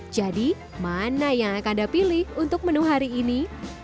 jadi mana yang akan anda pilih untuk menu hari ini